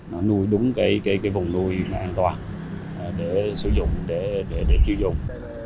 nó nuôi đúng cái vùng nuôi an toàn để sử dụng để sử dụng